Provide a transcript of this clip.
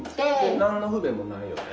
何の不便もないよね。